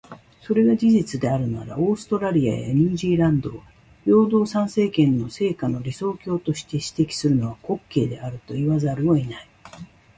それが事実であるなら、オーストラリアやニュージーランドを平等参政権の成果の理想郷として指摘するのは、滑稽であると言わざるを得ない。